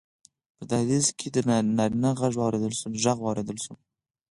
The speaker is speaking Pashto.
په دهلېز کې ډډ نارينه غږ واورېدل شو: